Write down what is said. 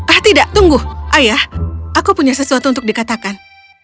ah tidak tunggu ayah aku punya sesuatu untuk dikatakan